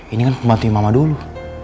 ini kan pembantu mama dulu